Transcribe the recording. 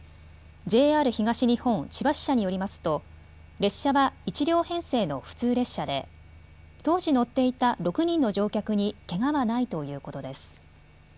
ＪＲ東日本千葉支社によりますと列車は１両編成の普通列車で当時、乗っていた６人の乗客にけがはないということです。